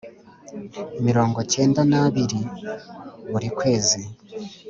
mirongo cyenda n abiri Frw buri kwezi